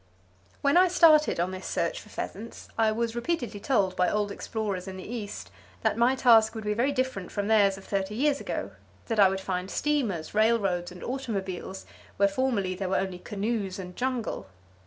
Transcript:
When I started on this search for pheasants I was repeatedly told by old explorers in the east that my task would be very different from theirs of thirty years ago; that I would find steamers, railroads and automobiles where formerly were only canoes and jungle.